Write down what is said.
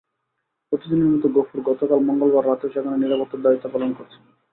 প্রতিদিনের মতো গফুর গতকাল মঙ্গলবার রাতেও সেখানে নিরাপত্তার দায়িত্ব পালন করছিলেন।